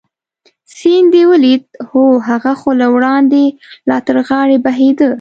سیند دې ولید؟ هو، هغه خو له وړاندې لا تر غاړې بهېده.